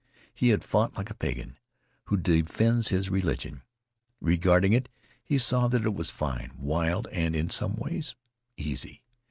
He had fought like a pagan who defends his religion. Regarding it, he saw that it was fine, wild, and, in some ways, easy.